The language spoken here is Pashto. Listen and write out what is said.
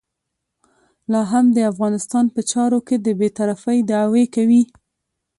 لا هم د افغانستان په چارو کې د بې طرفۍ دعوې کوي.